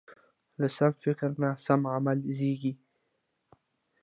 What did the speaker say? له سم فکر نه سم عمل زېږي.